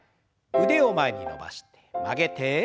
腕を前に伸ばして曲げて。